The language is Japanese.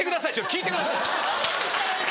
聞いてください！